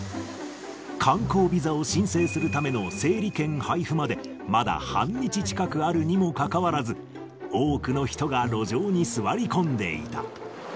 観光ビザを申請するための整理券配布まで、まだ半日近くあるにもかかわらず、多くの人が路上に座り込んでいた。